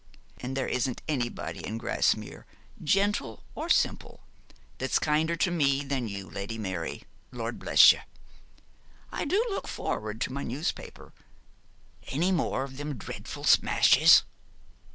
And there isn't anybody in Grasmere, gentle or simple, that's kinder to me than you, Lady Mary. Lord bless you, I do look forward to my newspaper. Any more of them dreadful smashes?'